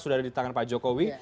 sudah ada di tangan pak jokowi